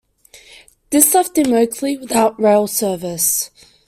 This left Immokalee without rail service.